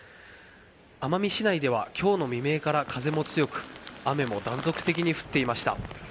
奄美市内ではきょうの未明から風も強く、雨も断続的に降っていました。